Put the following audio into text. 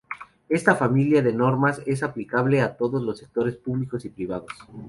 Esta familia de normas es aplicable a todos los sectores, públicos y privados.